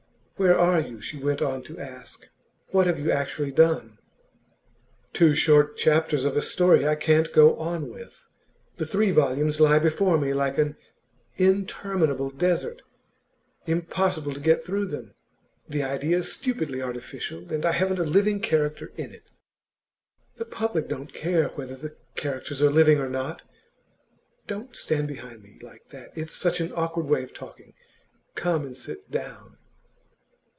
'Where are you?' she went on to ask. 'What have you actually done?' 'Two short chapters of a story I can't go on with. The three volumes lie before me like an interminable desert. Impossible to get through them. The idea is stupidly artificial, and I haven't a living character in it.' 'The public don't care whether the characters are living or not. Don't stand behind me, like that; it's such an awkward way of talking. Come and sit down.